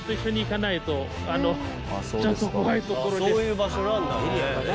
あっそういう場所なんだね。